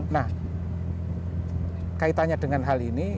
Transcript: nah kaitannya dengan hal ini